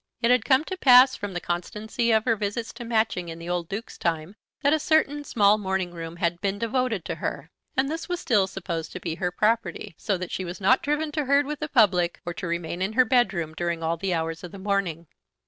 It had come to pass from the constancy of her visits to Matching in the old Duke's time, that a certain small morning room had been devoted to her, and this was still supposed to be her property, so that she was not driven to herd with the public or to remain in her bedroom during all the hours of the morning.